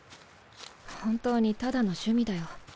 本当にただの趣味だよ。